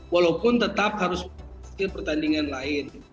walaupun tetap harus melihat hasil pertandingan lain